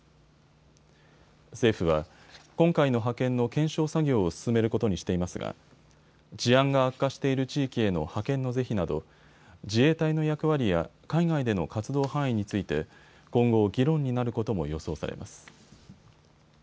政府は、今回の派遣の検証作業を進めることにしていますが治安が悪化している地域への派遣の是非など自衛隊の役割や海外での活動範囲について今後、議論になることも予想されます。